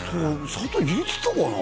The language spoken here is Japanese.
砂糖入れてたかな？